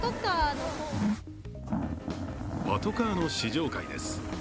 パトカーの試乗会です。